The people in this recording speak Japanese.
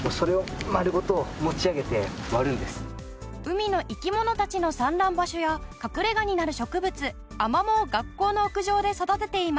海の生き物たちの産卵場所や隠れ家になる植物アマモを学校の屋上で育てています。